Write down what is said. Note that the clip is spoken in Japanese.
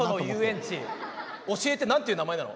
教えて何て言う名前なの？